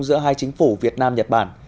giữa hai chính phủ việt nam nhật bản